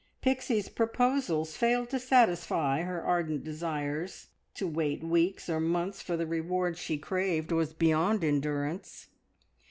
Pixie's proposals failed to satisfy her ardent desires. To wait weeks or months for the reward she craved was beyond endurance.